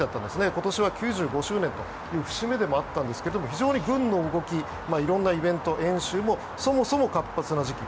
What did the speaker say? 今年は９５周年という節目でもあったんですが非常に軍の動き色んなイベント、演習もそもそも活発な時期。